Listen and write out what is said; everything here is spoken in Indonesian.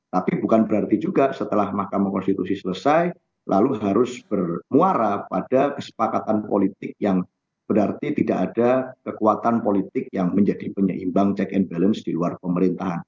tapi bukan berarti juga setelah mahkamah konstitusi selesai lalu harus bermuara pada kesepakatan politik yang berarti tidak ada kekuatan politik yang menjadi penyeimbang check and balance di luar pemerintahan